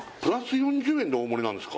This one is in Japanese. ４０円で大盛りなんですか？